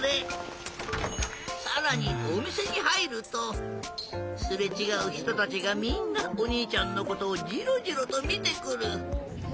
さらにおみせにはいるとすれちがうひとたちがみんなおにいちゃんのことをジロジロとみてくる！